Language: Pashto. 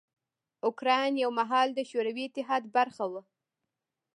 اوکراین یو مهال د شوروي اتحاد برخه وه.